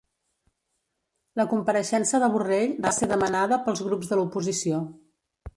La compareixença de Borrell va ser demanada pels grups de l'oposició